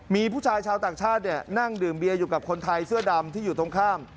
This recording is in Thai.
มีผู้ชายชาวต่างชาตินั่งดื่มเบียอยู่กับคนไทยเสื้อดำที่อยู่ตรงข้าม